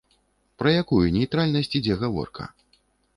Пра якую нейтральнасць ідзе гаворка?